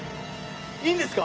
いいんですか？